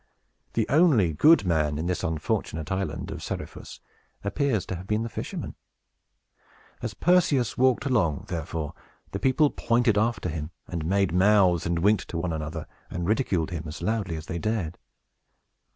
The only good man in this unfortunate island of Seriphus appears to have been the fisherman. As Perseus walked along, therefore, the people pointed after him, and made mouths, and winked to one another, and ridiculed him as loudly as they dared.